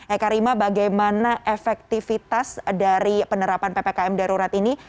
eka rima bagaimana efektivitas dari penerapan ppkm darurat ini